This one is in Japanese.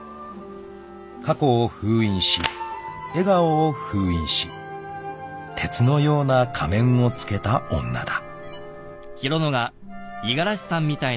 ［過去を封印し笑顔を封印し鉄のような仮面をつけた女だ］